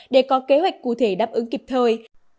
để có kế hoạch cụ thể đáp ứng kịp thời